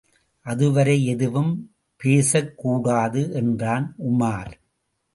அதுவரை எதுவும் பேசக்கூடாது என்றான் உமார்.